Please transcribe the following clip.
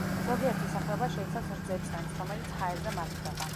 ზოგიერთი სახეობა შეიცავს რძეწვენს, რომელიც ჰაერზე მაგრდება.